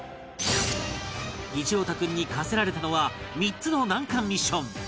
一朗太君に課せられたのは３つの難関ミッション